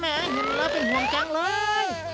เห็นแล้วเป็นห่วงจังเลย